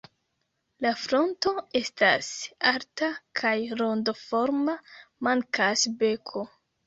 La fronto estas alta kaj rondoforma; mankas beko.